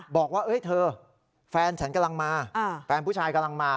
บอกว่าเธอแฟนฉันกำลังมาแฟนผู้ชายกำลังมา